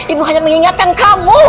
ibu hanya mengingatkan kamu